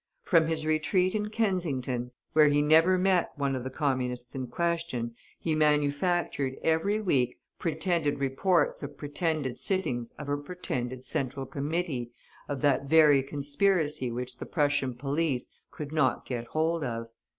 From his retreat in Kensington, where he never met one of the Communists in question, he manufactured every week pretended reports of pretended sittings of a pretended Central Committee of that very conspiracy which the Prussian police could not get hold of.